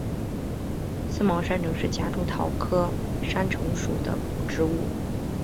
思茅山橙是夹竹桃科山橙属的植物。